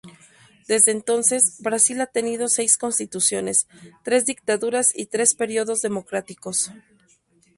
Desde entonces, Brasil ha tenido seis constituciones, tres dictaduras, y tres periodos democráticos.